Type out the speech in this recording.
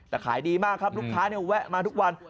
แต่ขายดีมากครับลูกค้าเนี่ยแวะมาทุกวัน